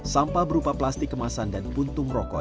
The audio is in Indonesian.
sampah berupa plastik kemasan dan puntung rokok